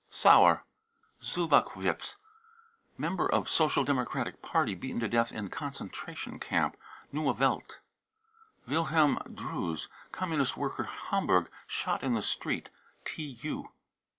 sauer, Zubachwitz, member of Social Democratic Party, beaten to death in concentration ?amp. (Neue Wdt.\ wilhelm drews, Communist worker, Hamburg, shot in the street. (TU.)